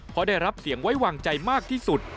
เพราะได้รับเสียงไว้วางใจมากที่สุด